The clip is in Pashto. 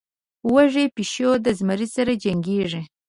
وږى پيشو د زمري سره جنکېږي.